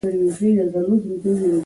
پونډه لګولي وه.